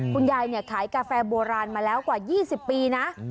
คุณยายขายกาแฟโบราณมาแล้วกว่า๒๐ปีนะ